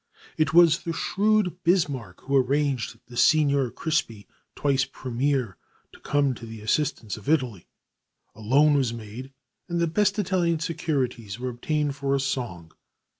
It was the shrewd Bismarck who arranged with Signor Crispi, twice Premier, to come to the assistance of Italy. A loan was made, and the best Italian securities were obtained for a song.